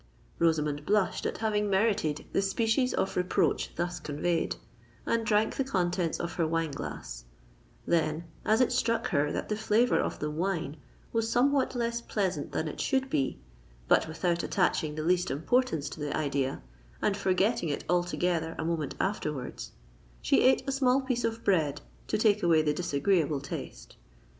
Rosamond blushed at having merited the species of reproach thus conveyed, and drank the contents of her wine glass: then, as it struck her that the flavour of the wine was somewhat less pleasant than it should be—but without attaching the least importance to the idea, and forgetting it altogether a moment afterwards—she ate a small piece of bread to take away the disagreeable taste.